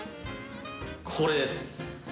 これです。